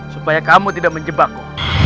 supaya kamu tidak menjebakku